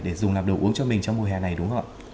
để dùng làm đồ uống cho mình trong mùa hè này đúng không ạ